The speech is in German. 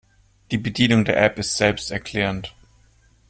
Die Bedienung der App ist selbsterklärend.